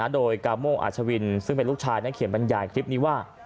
โดยกาโมอาชวินซึ่งเป็นลูกชายนั้นเขียนบรรยายคลิปนี้ว่า